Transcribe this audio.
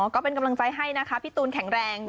ก็เป็นกำลังใจให้นะคะพี่ตูนแข็งแรง